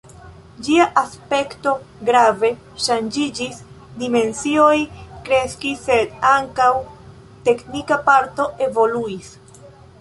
Ĝia aspekto grave ŝanĝiĝis, dimensioj kreskis, sed ankaŭ teknika parto evoluis.